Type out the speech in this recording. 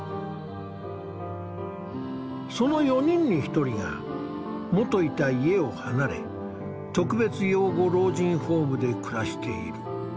その４人に１人が元いた家を離れ特別養護老人ホームで暮らしている。